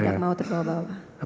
tidak mau terbawa bawa